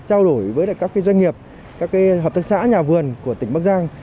trao đổi với các doanh nghiệp các hợp tác xã nhà vườn của tỉnh bắc giang